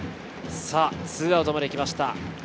２アウトまで来ました。